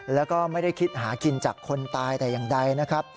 แล้วก็ไม่ได้คิดหากินจากคนตายแต่อย่างใดนะครับ